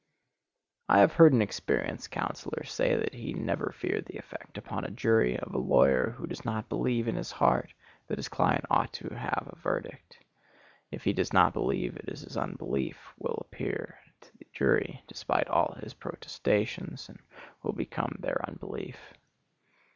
I have heard an experienced counsellor say that he never feared the effect upon a jury of a lawyer who does not believe in his heart that his client ought to have a verdict. If he does not believe it his unbelief will appear to the jury, despite all his protestations, and will become their unbelief.